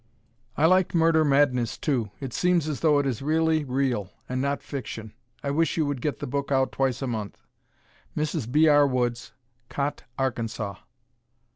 I liked "Murder Madness," too. It seems as though it is really real, and not fiction. I wish you would get the book out twice a month. Mrs. B. R. Woods, Cotte, Arkansas.